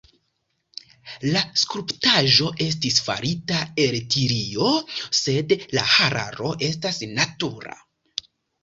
La skulptaĵo estis farita el tilio, sed la hararo estas natura.